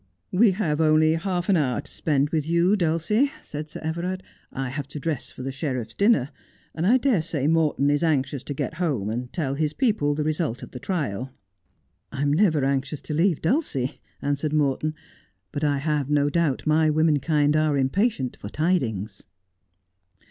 ' We have only half an hour to spend with you, Dulcie,' said Sir Everard. ' 1 have to dress for the sheriffs dinner, and I dare say Morton is anxious to get home and tell his people the result of the trial.' ' I am never anxious to leave Dulcie,' answered Morton, ' but I have no doubt my womenkind are impatient for tidings.'